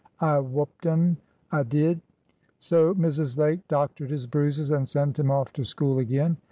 I whopped un, I did." So Mrs. Lake doctored his bruises, and sent him off to school again.